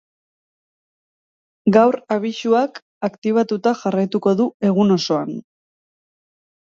Gaur abisuak aktibatuta jarraituko du egun osoan.